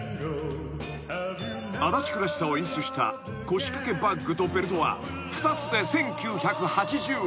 ［足立区らしさを演出した腰掛けバッグとベルトは２つで１，９８０円］